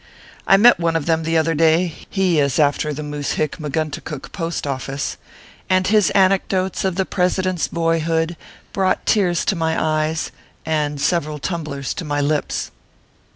I met one of them the other day (he is after the Moosehicma gunticook post office), and his anecdotes of the Presi dent s boyhood brought tears to my eyes, and several tumblers to my lips.